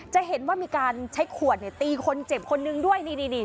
จะเห็นว่ามีการใช้ขวดเนี่ยตีคนเจ็บคนนึงด้วยนี่นี่